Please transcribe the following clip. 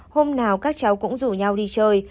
hôm nào các cháu cũng rủ nhau đi chơi